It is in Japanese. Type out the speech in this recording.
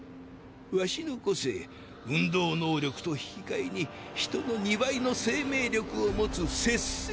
ワシの個性運動能力と引き替えに人の二倍の生命力を持つ摂生。